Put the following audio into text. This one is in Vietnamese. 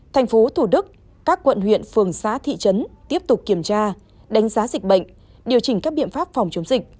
thành phố thủ đức các quận huyện phường xã thị trấn tiếp tục kiểm tra đánh giá dịch bệnh điều chỉnh các biện pháp phòng chống dịch